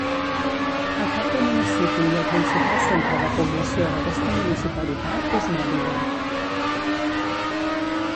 El cap de municipi i el principal centre de població d'aquesta municipalitat és Mérida.